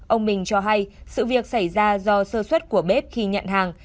ông mình cho hay sự việc xảy ra do sơ xuất của bếp khi nhận hàng